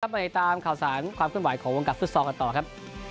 มาให้ตามข่าวสารความขึ้นหวายของวงกลับฟุษรกันต่อครับ